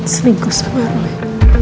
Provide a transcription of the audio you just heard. seringkuh sama armin